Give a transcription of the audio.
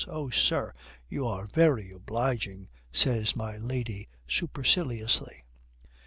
"Oh, sir, you are very obliging," says my lady superciliously.